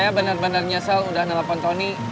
saya benar benar nyesel udah enam delapan tahun nih